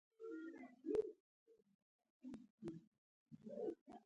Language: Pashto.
په افغانستان کې د مزارشریف د پرمختګ لپاره هڅې روانې دي.